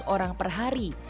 satu delapan ratus orang per hari